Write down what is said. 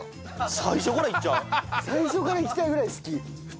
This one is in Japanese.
最初からいきたいぐらい好き。